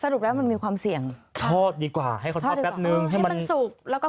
คุณหมอกยินดีต้อนรับ